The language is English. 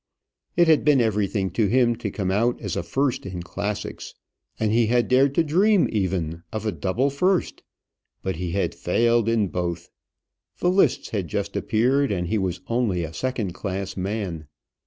It had been everything to him to come out as a first in classics, and he had dared to dream even of a double first. But he had failed in both. The lists had just appeared, and he was only a second class man.